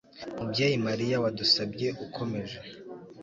mubyeyi mariya, wadusabye ukomeje